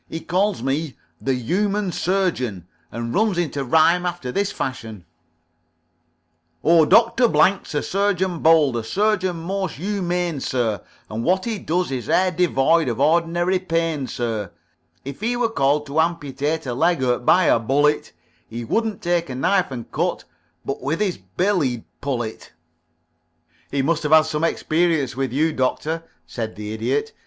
He calls me 'The Humane Surgeon,' and runs into rhyme after this fashion: "O, Doctor Blank's a surgeon bold, A surgeon most humane, sir; And what he does is e'er devoid Of ordinary pain, sir. "If he were called to amputate A leg hurt by a bullet, He wouldn't take a knife and cut But with his bill he'd pull it." "He must have had some experience with you, Doctor," said the Idiot.